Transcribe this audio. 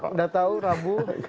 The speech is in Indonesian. udah tahu rabu